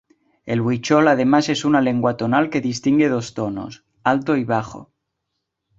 El huichol además es una lengua tonal que distingue dos tonos, "alto" y "bajo".